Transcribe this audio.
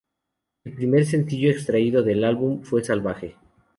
El primer sencillo extraído del álbum fue "Salvaje".